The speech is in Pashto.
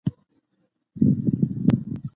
ما به تر نيمي شپې پوري دغه کتاب لوست.